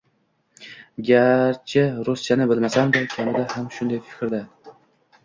Garchi ruschani bilmasam-da, kamina ham shunday fikrda.